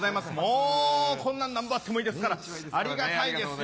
もうこんなんなんぼあってもいいですからありがたいですよ